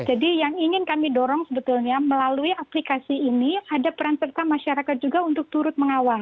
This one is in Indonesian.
yang ingin kami dorong sebetulnya melalui aplikasi ini ada peran serta masyarakat juga untuk turut mengawal